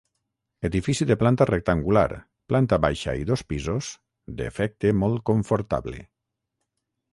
Edifici de planta rectangular, planta baixa i dos pisos, d'efecte molt confortable.